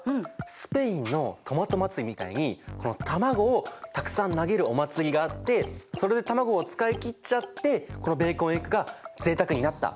スペインのトマト祭りみたいに卵をたくさん投げるお祭りがあってそれで卵を使い切っちゃってこのベーコンエッグがぜいたくになった。